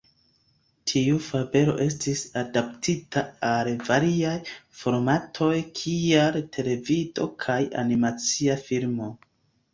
Tiu fabelo estis adaptita al variaj formatoj kiaj televido kaj animacia filmo.